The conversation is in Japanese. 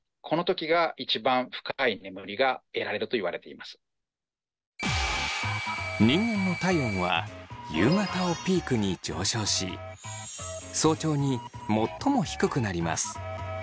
え体の人間の体温は夕方をピークに上昇し早朝に最も低くなります。